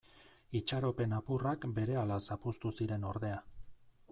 Itxaropen apurrak berehala zapuztu ziren ordea.